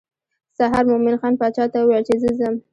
سهار مومن خان باچا ته وویل چې زه ځم.